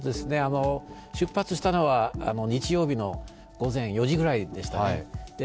出発したのは日曜日の午前４時ぐらいでしたね。